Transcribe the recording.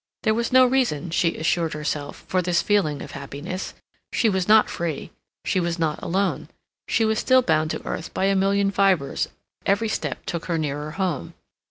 There was no reason, she assured herself, for this feeling of happiness; she was not free; she was not alone; she was still bound to earth by a million fibres; every step took her nearer home.